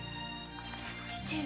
父上。